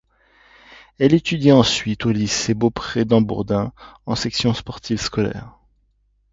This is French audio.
Elle étudie ensuite au lycée Beaupré d'Haubourdin en section sportive scolaire.